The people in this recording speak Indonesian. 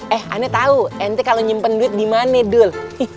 eh ane tau ente kalo nyimpen duit dimana dul